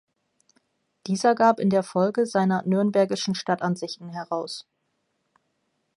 Dieser gab in der Folge seiner "Nürnbergischen Stadtansichten" heraus.